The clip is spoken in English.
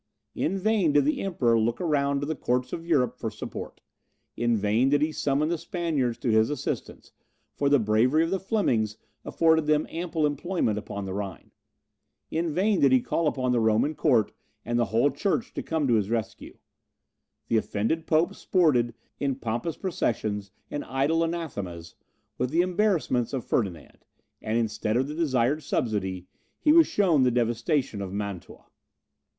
In vain did the Emperor look around to the courts of Europe for support; in vain did he summon the Spaniards to his assistance, for the bravery of the Flemings afforded them ample employment beyond the Rhine; in vain did he call upon the Roman court and the whole church to come to his rescue. The offended Pope sported, in pompous processions and idle anathemas, with the embarrassments of Ferdinand, and instead of the desired subsidy he was shown the devastation of Mantua.